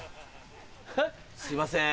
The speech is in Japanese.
すいません。